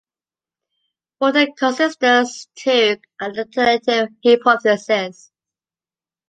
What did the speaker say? Fodor considers two alternative hypotheses.